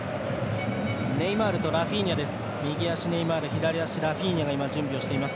ネイマールとラフィーニャです。